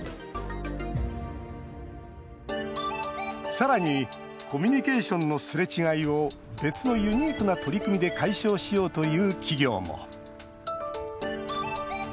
さらにコミュニケーションのすれ違いを別のユニークな取り組みで解消しようという企業も。